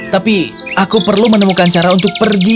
tapi aku perlu menemukan cara untuk pergi